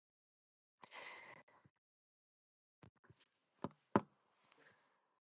Corinthians' inaugural victory remains the best result from a host nation's national league champions.